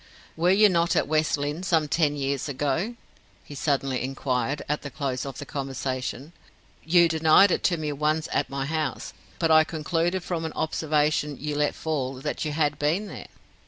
"Were you not at West Lynne some ten years ago?" he suddenly inquired, at the close of the conversation. "You denied it to me once at my house; but I concluded from an observation you let fall, that you had been here."